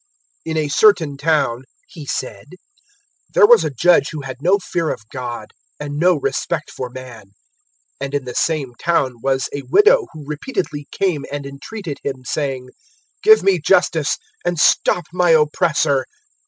018:002 "In a certain town," He said, "there was a judge who had no fear of God and no respect for man. 018:003 And in the same town was a widow who repeatedly came and entreated him, saying, "`Give me justice and stop my oppressor.'